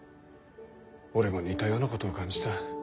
俺も似たようなことを感じた。